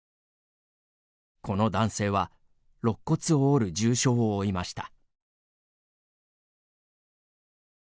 この男性はろっ骨を折る重傷を負いました。